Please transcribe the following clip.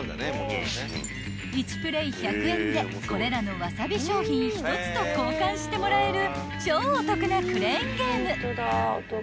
［１プレイ１００円でこれらのわさび商品１つと交換してもらえる超お得なクレーンゲーム］